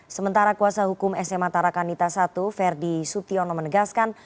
sementara kuasa hukum sma tarakanita i ferdi sutyono menegaskan